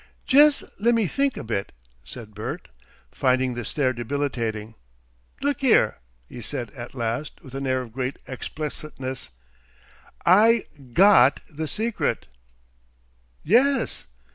"Jes' lemme think a bit," said Bert, finding the stare debilitating. "Look 'ere!" he said at last, with an air of great explicitness, "I GOT the secret." "Yes."